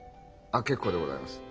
あっ結構でございます。